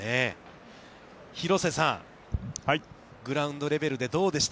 廣瀬さん、グラウンドレベルでどうでした？